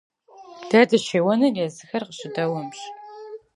Мы будем стрелять, только если стреляют в нас.